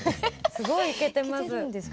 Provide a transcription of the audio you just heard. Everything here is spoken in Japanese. すごいイケてます。